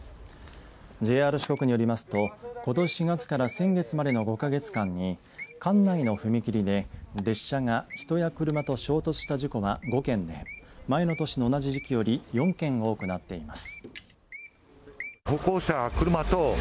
ＪＲ四国によりますとことし４月から先月までの５か月間に管内の踏切で列車が人や車と衝突した事故は５件で前の年の同じ時期より４件多くなっています。